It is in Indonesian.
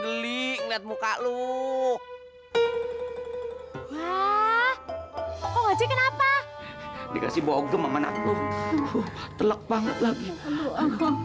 pelik lihat muka lu wah kok aja kenapa dikasih bau gemang anak lu telak banget lagi aduh aduh